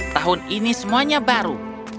tahun ini semuanya baru